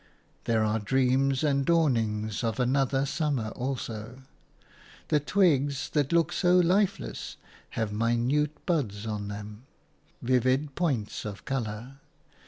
There are dreams and dawnings of another summer also. The twigs that look so lifeless have minute buds on them, vivid points of colour.